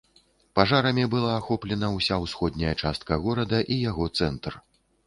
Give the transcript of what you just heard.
Пажарамі была ахоплена ўся ўсходняя частка горада і яго цэнтр.